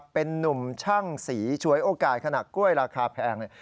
เป็นนุ่มช่างสีฉวยโอกาสขณะกล้วยราคาแพง